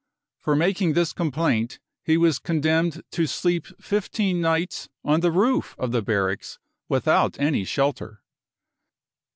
For making this complaint he was condemned to sleep 15 nights on the roof of the barracks without any shelter.